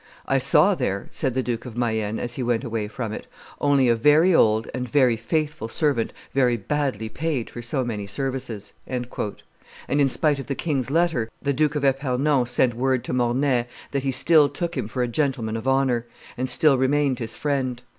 "I saw there," said the Duke of Mayenne as he went away from it, "only a very old and very faithful servant very badly paid for so many services;" and, in spite of the king's letter, the Duke of Epernon sent word to Mornay that he still took him for a gentleman of honor, and still remained his friend.